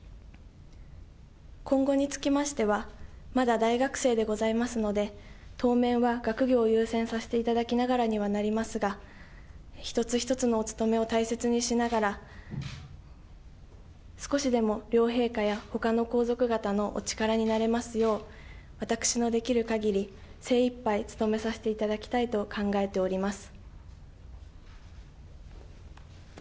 今後につきましては、まだ大学生でございますので、当面は学業を優先させていただきながらにはなりますが、一つ一つのおつとめを大切にしながら、少しでも両陛下やほかの皇族方のお力になれますよう、私のできるかぎり、精いっぱい務めさせていただきたいと考えております。